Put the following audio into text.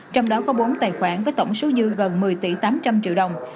trong đó có bốn tài khoản với tổng số dư gần một mươi tỷ tám trăm linh triệu đồng